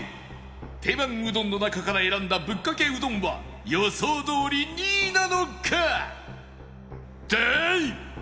定番うどんの中から選んだぶっかけうどんは予想どおり２位なのか？